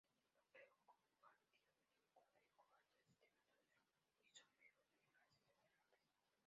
El complejo catiónico de cobalto existe en dos isómeros de enlace separables..